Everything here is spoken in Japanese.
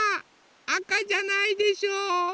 あかじゃないでしょ。